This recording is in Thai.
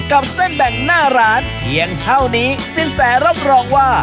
กับเส้นแบ่งหน้าร้านเพียงเท่านี้สินแสรับรองว่า